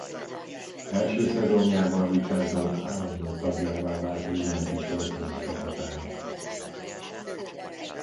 Első szezonjában Richardson állandó tagjává vált a United tartalék csapatának.